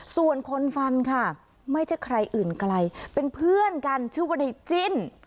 ส่วนคนฟันค่ะไม่ใช่ใครอื่นไกลเป็นเพื่อนกันชื่อว่าในจิ้น